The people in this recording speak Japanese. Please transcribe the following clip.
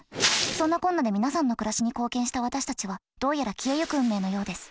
そんなこんなで皆さんの暮らしに貢献した私たちはどうやら消えゆく運命のようです。